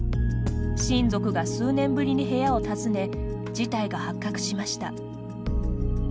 親族が数年ぶりに部屋を訪ね事態が発覚しました。